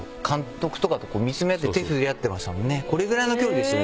これぐらいの距離でしたよね